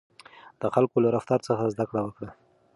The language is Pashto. د خلکو له رفتار څخه زده کړه وکړئ.